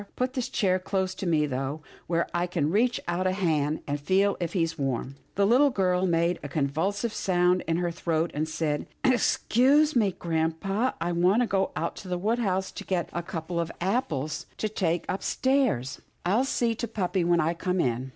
" Put his chair close to me, though, where I can reach out a hand, and feel if he's warm." The little girl made a convulsive sound in her throat, and said, " Excuse me, grampa, I want to go out in the wood house to get a couple of apples 116 'TILDA JANE'S ORPHANS to take upstairs. I'll see to puppy when I come in."